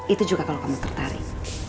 itu juga kalau kamu tertarik